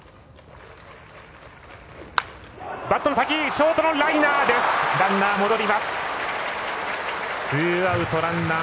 ショートライナー！